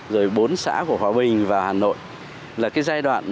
rồi bốn xã của hòa bình và hà nội là cái giai đoạn